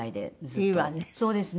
いいわね。